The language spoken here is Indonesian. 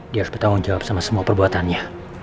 dia harus bertanggung jawab sama semua perbuatannya